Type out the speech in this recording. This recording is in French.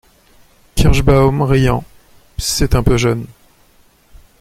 Kirschbaum, riant. — C’est un peu jeune.